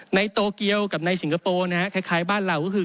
โตเกียวกับในสิงคโปร์นะฮะคล้ายบ้านเราก็คือ